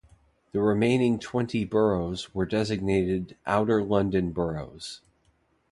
The remaining twenty boroughs were designated "Outer London boroughs".